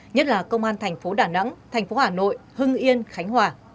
nhất là công an thành phố đà nẵng thành phố hà nội hưng yên khánh hòa